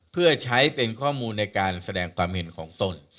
เพื่อใช้เป็นข้อมูลในการแสดงความเห็นของตน